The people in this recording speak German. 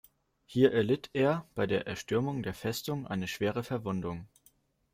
Hier erlitt er bei der Erstürmung der Festung eine schwere Verwundung.